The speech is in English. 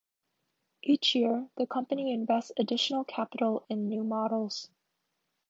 Each year, the company invests additional capital in new models.